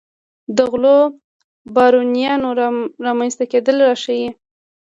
د غلو بارونیانو رامنځته کېدل دا ښيي.